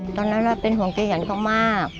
ตอนนั้นเป็นห่วงเกยันเขามาก